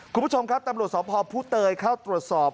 คุณผู้ชมครับตำรวจสพผู้เตยเข้าตรวจสอบ